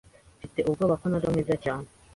Mfite ubwoba ko ntari kuba mwiza cyane.